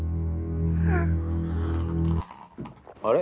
あれ？